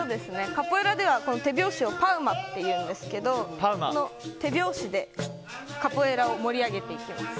カポエイラでは手拍子をパウマって言うんですけどこの手拍子でカポエイラを盛り上げていきます。